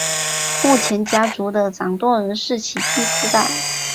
目前家族的掌舵人是其第四代。